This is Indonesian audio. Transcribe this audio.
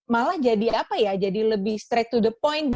malah jadi apa ya jadi lebih straight to the point